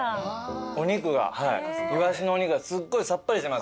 お肉がイワシのお肉がすごいさっぱりしてます。